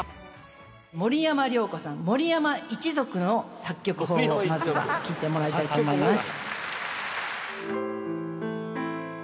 森山良子さん森山一族の作曲法をまずは聴いてもらいたいと思います。